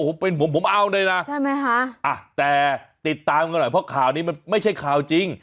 โอ้โหเป็นผมผมเอาได้นะได้ไหมฮะแต่ติดตามกันก่อนเพราะข่าวนี้มันไม่ใช่ข่าวจริง